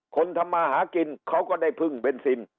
ทำมาหากินเขาก็ได้พึ่งเบนซิน